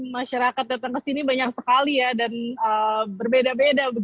masyarakat datang ke sini banyak sekali ya dan berbeda beda